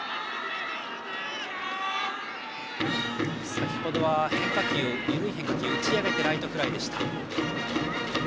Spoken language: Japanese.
先程は緩い変化球を打ち上げてライトフライでした。